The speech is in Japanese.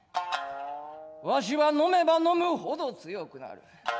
わしは飲めば飲むほど強くなる。